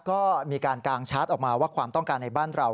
ก็มีการกางชาร์จออกมาว่าความต้องการในบ้านเรา